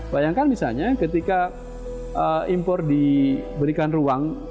bayangkan misalnya ketika impor diberikan ruang